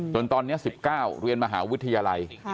จนตอนนี้๑๙เรียนมหาวิทยาลัย